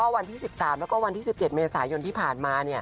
วันที่๑๓แล้วก็วันที่๑๗เมษายนที่ผ่านมา